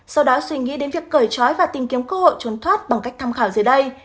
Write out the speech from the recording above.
sau đó suy nghĩ đến việc cởi trói và tìm kiếm cơ hội trốn thoát bằng cách tham khảo dưới đây